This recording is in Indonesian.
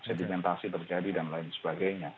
sedimentasi terjadi dan lain sebagainya